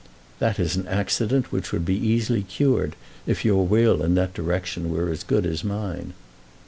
"That is an accident which would be easily cured if your will in that direction were as good as mine."